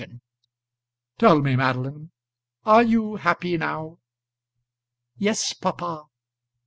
[Illustration: "Tell me, Madeline, are you happy now?"] "Yes, papa."